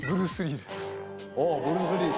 あぁブルース・リー。